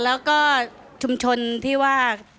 แล้วก็ชุมชนที่ว่า